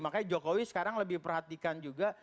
makanya jokowi sekarang lebih perhatikan juga